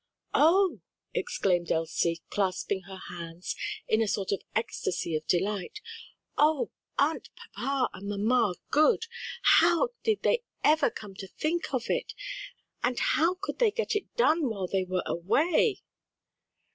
"Oh!" exclaimed Elsie, clasping her hands in a sort of ecstasy of delight, "oh, aren't papa and mamma good? How did they ever come to think of it! and how could they get it done while they were away?"